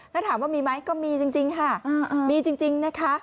แล้วถามว่ามีไหมก็มีจริงค่ะมีจริงนะคะ